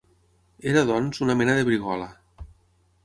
Era, doncs, una mena de brigola.